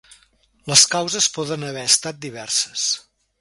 Les causes poden haver estat diverses.